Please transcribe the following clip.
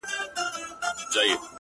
موږه كرلي دي اشنا دشاعر پښو ته زړونه،